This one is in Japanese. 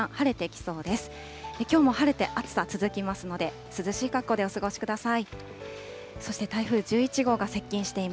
きょうも晴れて暑さ続きますので、涼しい格好でお過ごしください。